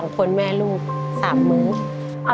๒คนแม่ลูก๓มื้อ